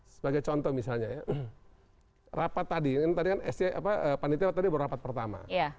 sebagai contoh misalnya ya rapat tadi ini tadi kan panitia tadi baru rapat pertama